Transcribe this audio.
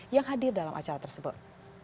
yang hadir dalam acara tersebut